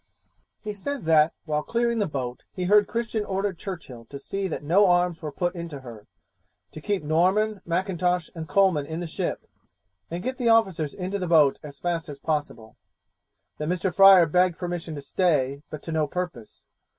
He says that, while clearing the boat, he heard Christian order Churchill to see that no arms were put into her; to keep Norman, M'Intosh, and Coleman in the ship, and get the officers into the boat as fast as possible; that Mr. Fryer begged permission to stay, but to no purpose.